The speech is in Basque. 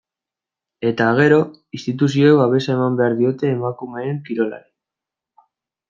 Eta, gero, instituzioek babesa eman behar diote emakumeen kirolari.